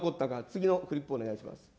次のフリップをお願いします。